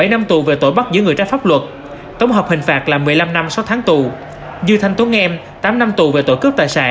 bảy năm tù về tội bắt giữ người trái pháp luật tổng hợp hình phạt là một mươi năm năm sáu tháng tù